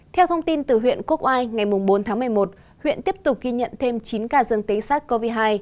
theo thông tin từ huyện quốc ai ngày bốn tháng một mươi một huyện tiếp tục ghi nhận thêm chín ca dân tính sát covid một mươi chín